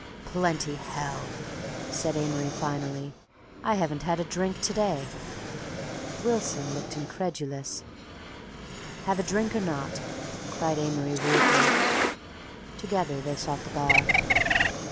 "Plenty, hell!" said Amory finally. "I haven't had a drink to day." Wilson looked incredulous. "Have a drink or not?" cried Amory rudely. Together they sought the bar.